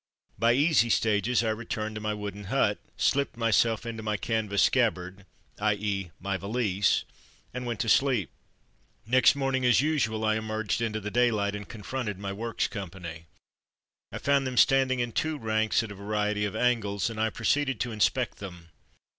By easy stages I returned to my wooden hut, slipped myself into my canvas scabbard — i. ^., my valise — and went to sleep. Next morning, as usual, I emerged into the daylight and confronted my Works company. I found them standing in two ranks at a variety of angles and I proceeded to inspect them.